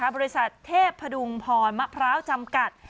บริษัทเทพพดุงพรมะพร้าวจำกัด